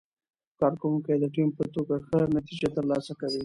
کارکوونکي د ټیم په توګه ښه نتیجه ترلاسه کوي